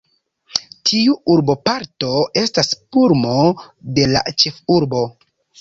Tiu urboparto estas pulmo de la ĉefurbo.